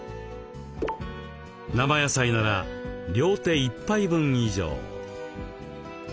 生野菜なら両手いっぱい分以上。